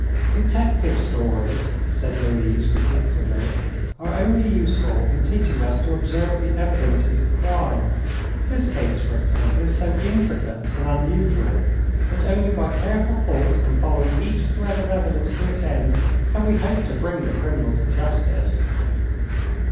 "Detective stories," said Louise, reflectively, "are only useful in teaching us to observe the evidences of crime. This case, for example, is so intricate and unusual that only by careful thought, and following each thread of evidence to its end, can we hope to bring the criminal to justice."